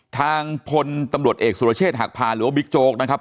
ทางพลตำรวจเอกสุรเชษฐหักพาหรือว่าบิ๊กโจ๊กนะครับ